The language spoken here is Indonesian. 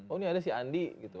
oh ini ada si andi gitu